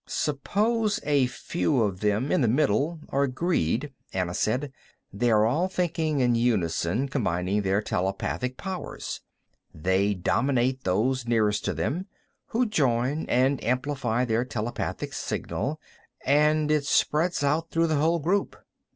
"Suppose a few of them, in the middle, are agreed," Anna said. "They are all thinking in unison, combining their telepathic powers. They dominate those nearest to them, who join and amplify their telepathic signal, and it spreads out through the whole group.